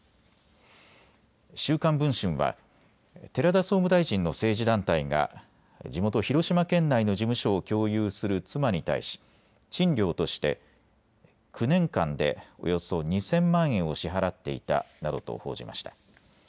週刊文春は寺田総務大臣の政治団体が地元、広島県内の事務所を共有する妻に対し賃料として９年間でおよそ２０００万円を支払っていたなどと報じました。